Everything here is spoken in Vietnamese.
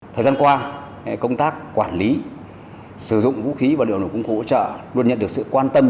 thời gian qua công tác quản lý sử dụng vũ khí và liệu nổ công cụ hỗ trợ luôn nhận được sự quan tâm